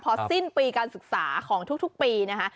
พอสิ้นปีการศึกษาของทุกปีนะคะ